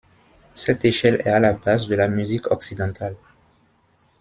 Cette échelle est à la base de la musique occidentale.